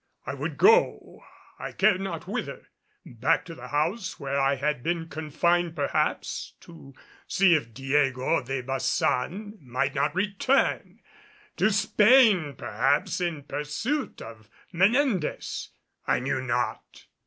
I would go I cared not whither, back to the house where I had been confined perhaps, to see if Diego de Baçan might not return; to Spain perhaps in pursuit of Menendez. I knew not.